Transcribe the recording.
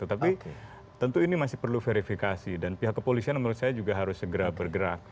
tetapi tentu ini masih perlu verifikasi dan pihak kepolisian menurut saya juga harus segera bergerak